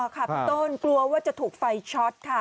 กลัวครับต้นกลัวว่าจะถูกไฟช็อตค่ะ